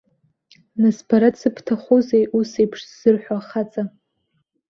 Нас бара дзыбҭахузеи ус еиԥш ззырҳәо ахаҵа?!